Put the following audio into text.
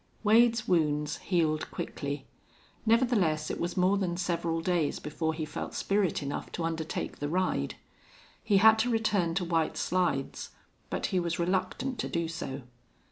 Wade's wounds healed quickly; nevertheless, it was more than several days before he felt spirit enough to undertake the ride. He had to return to White Slides, but he was reluctant to do so.